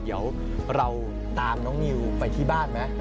เดี๋ยวเราตามน้องนิวไปที่บ้านไหม